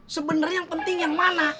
sebenarnya yang penting yang mana